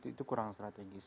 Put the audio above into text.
itu kurang strategis